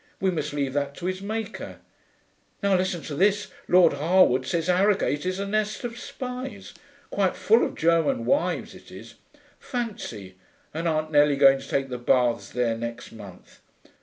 We must leave that to his Maker. Now listen to this: Lord Harewood says Harrogate is a nest of spies. Quite full of German wives, it is. Fancy, and Aunt Nellie going to take the baths there next month.